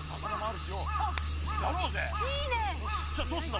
よしじゃあどうすんだ？